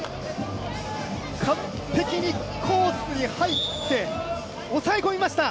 完璧にコースに入って、抑え込みました。